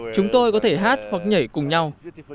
chúng tôi có thể hát hoặc nhảy cùng nhau